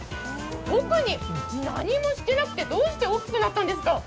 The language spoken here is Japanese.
特に何もしてなくて、どうして大きくなったんですか？